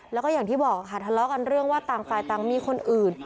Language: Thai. แล้วก็อย่างที่บอกค่ะทะเลาะกันเรื่องว่าต่างฝ่ายต่างมีคนอื่น